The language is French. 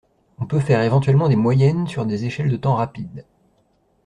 on peut faire éventuellement des moyennes sur des échelles de temps rapides